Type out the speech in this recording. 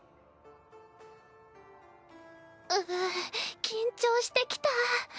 うぅ緊張してきた。